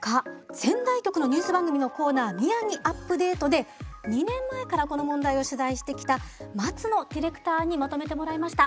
仙台局のニュース番組のコーナー「みやぎＵＰ−ＤＡＴＥ」で２年前からこの問題を取材してきた松野ディレクターにまとめてもらいました。